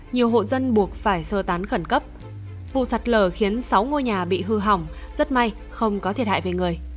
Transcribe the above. nhiều hộ dân buộc phải sơ tán khẩn cấp vụ sạt lở khiến sáu ngôi nhà bị hư hỏng rất may không có thiệt hại về người